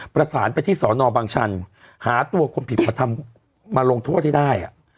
ประสานไปที่สอนอบางชันหาตัวคนผิดมาทำมาลงโทษให้ได้